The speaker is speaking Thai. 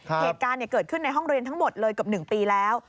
เหตุการณ์เกิดขึ้นในห้องเรียนทั้งหมดเลยเกือบ๑ปีแล้ว